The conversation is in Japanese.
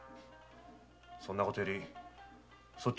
そんなことよりそっちの首尾は？